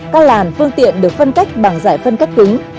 các làn phương tiện được phân cách bằng giải phân cách cứng